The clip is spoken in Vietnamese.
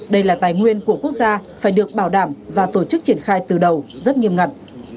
đây là tài nguyên của quốc gia phải được bảo đảm và tổ chức triển khai từ đầu rất nghiêm ngặt